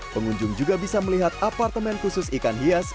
pengunjung juga bisa melihat apartemen khusus ikan hias